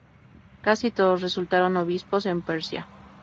Casi todos resultaron obispos en Persia.